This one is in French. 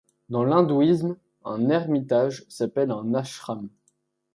Dans l'hindouisme, un ermitage s'appelle un âshram.